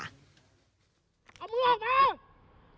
เอามือออกมา